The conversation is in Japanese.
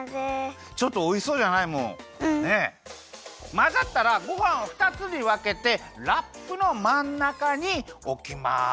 まざったらごはんをふたつにわけてラップのまんなかにおきます！